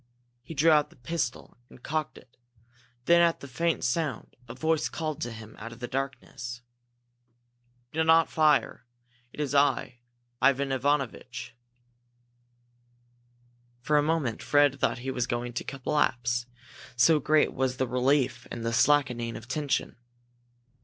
He drew out the pistol, and cocked it. Then, at the faint sound, a voice called to him out of the darkness. "Do not fire! It is I Ivan! Ivan Ivanovitch!" For a moment Fred thought he was going to collapse, so great was the relief and the slackening of tension.